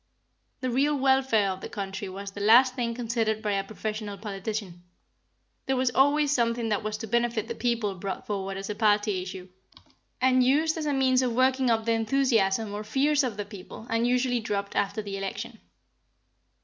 The real welfare of the country was the last thing considered by a professional politician. There was always something that was to benefit the people brought forward as a party issue, and used as a means of working up the enthusiasm or fears of the people, and usually dropped after the election.